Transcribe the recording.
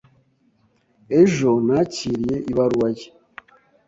Ejo nakiriye ibaruwa ye.